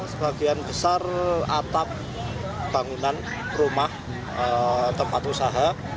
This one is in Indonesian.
sebagian besar atap bangunan rumah tempat usaha